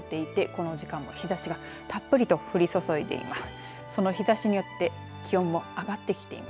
この時間も日ざしがたっぷりと降り注いでいます。